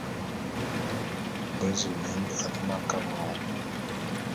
Be zu yen ane m'akabe wo.